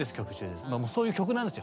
まあもうそういう曲なんですよ。